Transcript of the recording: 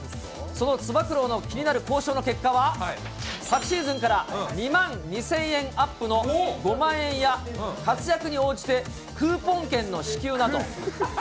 そのつば九郎の気になる交渉の結果は、昨シーズンから２万２０００円アップの５万円や、活躍に応じてクーポン券の支給など。